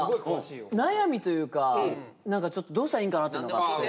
悩みというか何かちょっとどうしたらいいんかなっていうのがあって。